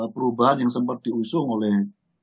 perubahan yang sempat diusung oleh